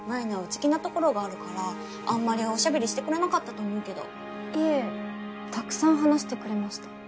内気なところがあるからあんまりおしゃべりしてくれなかったと思うけどいえたくさん話してくれました